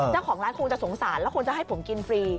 เจ้าของร้านคงจะสงสารแล้วคงจะให้ผมกินฟรี